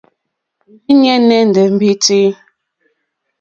Òrzìɲɛ́ nɛ́ndɛ̀ mbîtí.